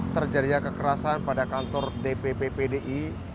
terjadinya kekerasan pada kantor dpp pdi